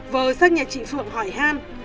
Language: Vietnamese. vợ sát nhà chị phượng hỏi han